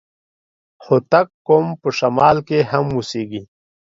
هوتک قوم په شمال کي هم اوسېږي.